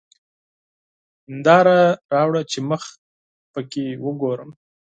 هېنداره راوړه چي مخ پکښې وګورم!